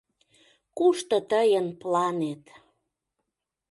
Кушто тыйын планет?..